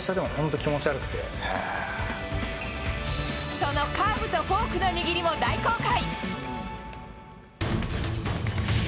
そのカーブとフォークの握りも大公開。